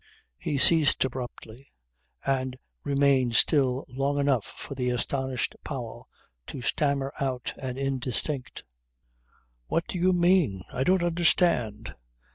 He ceased abruptly, and remained still long enough for the astonished Powell to stammer out an indistinct: "What do you mean? I don't understand."